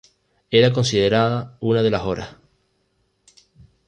Era considerada una de las Horas.